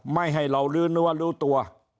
ไม่ให้เรารู้นว่ารู้ตัว